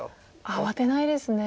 慌てないですね。